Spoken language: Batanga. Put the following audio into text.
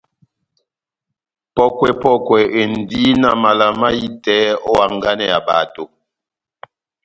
Pɔ́kwɛ-pɔkwɛ endi na mala mahitɛ ó hanganɛ ya bato.